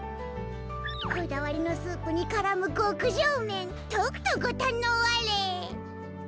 こだわりのスープにからむ極上麺とくとご堪能あれ！